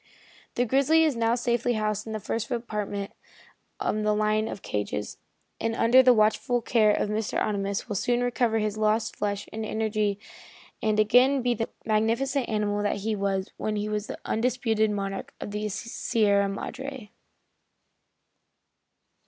The grizzly is now safely housed in the first apartment of the line of cages, and under the watchful care of Mr. Ohnimus will soon recover his lost flesh and energy and again be the magnificent animal that he was when he was the undisputed monarch of the Sierra Madre.